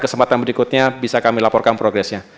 kesempatan berikutnya bisa kami laporkan progresnya